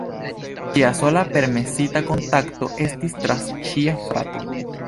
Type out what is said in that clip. Ŝia sola permesita kontakto estis tra ŝia frato.